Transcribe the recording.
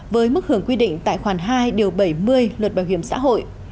với mức hưởng quy định tại khoản hai điều bảy mươi luật bảo hiểm xã hội